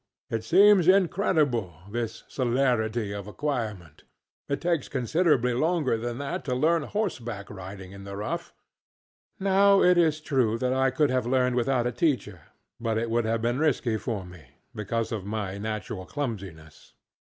It seems incredible, this celerity of acquirement. It takes considerably longer than that to learn horseback riding in the rough. Now it is true that I could have learned without a teacher, but it would have been risky for me, because of my natural clumsiness.